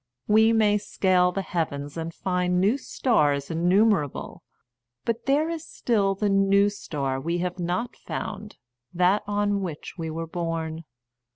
We may scale the heavens and find new stars innumerable, but there is still the new star we have not found — that on which we were born.